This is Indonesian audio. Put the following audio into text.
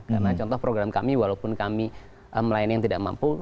karena contoh program kami walaupun kami melayani yang tidak mampu